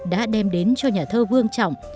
đã đem đến cho nhà thơ vương trọng